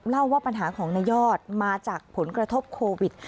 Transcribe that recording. เล่าว่าปัญหาของนายยอดมาจากผลกระทบโควิด